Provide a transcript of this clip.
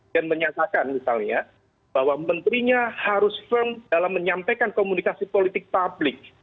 dan menyatakan misalnya bahwa menterinya harus firm dalam menyampaikan komunikasi politik publik